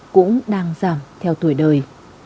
cũng đang giảm theo tuổi đời